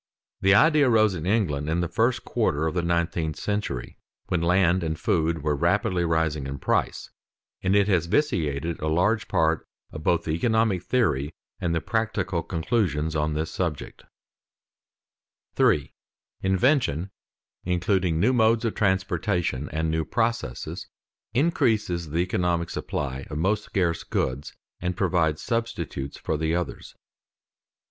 The idea arose in England in the first quarter of the nineteenth century when land and food were rapidly rising in price, and it has vitiated a large part of both the economic theory and the practical conclusions on this subject. [Sidenote: The effective supply grows by invention] 3. _Invention, including new modes of transportation and new processes, increases the economic supply of most scarce goods and provides substitutes for the others.